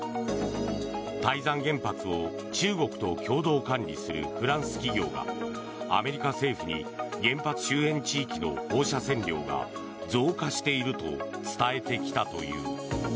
台山原発を中国と共同管理するフランス企業がアメリカ政府に原発周辺地域の放射線量が増加していると伝えてきたという。